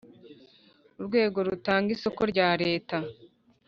urwego rutanga isoko rya leta